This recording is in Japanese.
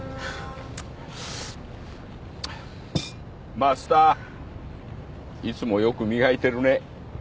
マスターいつもよく磨いてるね。